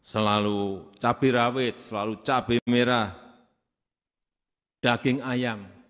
selalu cabai rawit selalu cabai merah daging ayam